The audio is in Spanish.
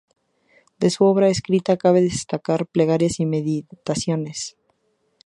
De su obra escrita cabe destacar "Plegarias y meditaciones".